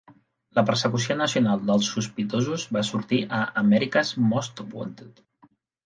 La persecució nacional dels sospitosos va sortir a "America's Most Wanted".